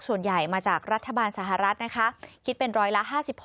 ส่วนใหญ่มาจากรัฐบาลสหรัฐนะคะคิดเป็นร้อยละ๕๖